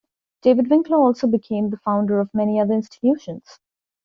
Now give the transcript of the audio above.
David Winkler also became the founder of many other institutions.